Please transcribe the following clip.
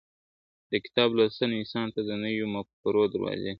د کتاب لوستل انسان ته د نويو مفکورو دروازې `